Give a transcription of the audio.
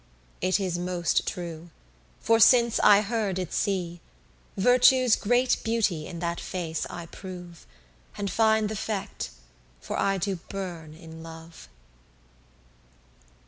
It is most true, for since I her did see, Virtue's great beauty in that face I prove, And find th'effect, for I do burn in love.